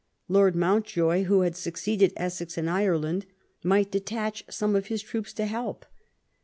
Lord Mountjoy, who had succeeded Essex in Ireland, might detach some of his troops to help.